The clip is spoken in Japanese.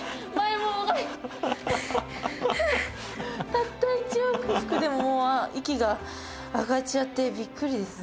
たった１往復でも息が上がっちゃってびっくりですよ。